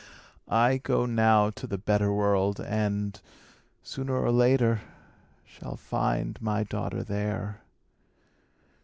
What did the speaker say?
"I go now to the better world, and, sooner or later, shall find my daughter there."